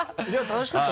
楽しかった。